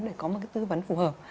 để có một tư vấn phù hợp